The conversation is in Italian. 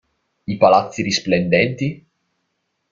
I palazzi risplendenti…